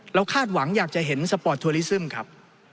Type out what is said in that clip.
คาดหวังอยากจะเห็นสปอร์ตทัวลิซึมครับ